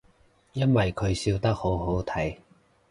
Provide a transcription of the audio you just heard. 因為佢笑得好好睇